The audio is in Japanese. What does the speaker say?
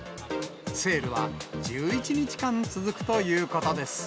セールは１１日間続くということ